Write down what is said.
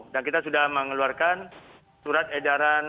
dan kita sudah mengeluarkan surat edaran